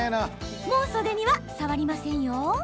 もう袖には触りません。